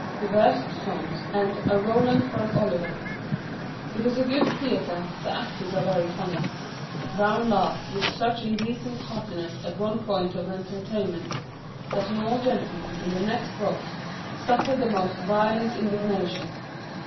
divers songs, and "A Roland for an Oliver." It is a good theatre, but the actors are very funny. Browne laughed with such indecent heartiness at one point of the entertainment, that an old gentleman in the next box suffered the most violent indignation.